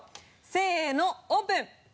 せのオープン。